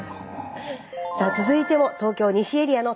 さあ続いても東京・西エリアの旅。